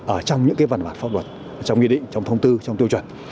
ở trong những cái vần mặt pháp luật trong nghĩa định trong thông tư trong tiêu chuẩn